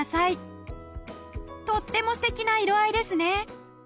とっても素敵な色合いですね